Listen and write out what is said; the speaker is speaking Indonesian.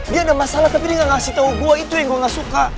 dia ada masalah tapi dia gak ngasih tau gue itu yang gue gak suka